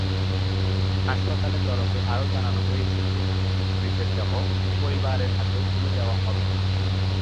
হাসপাতালের তরফে আরও জানানো হয়েছে যে মৃতের দেহ পরিবারের হাতে তুলে দেওয়া হবে না।